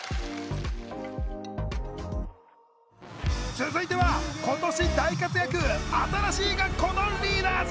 続いては今年大活躍新しい学校のリーダーズ！